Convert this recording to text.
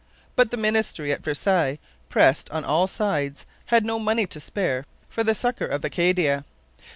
But the ministry at Versailles, pressed on all sides, had no money to spare for the succour of Acadia.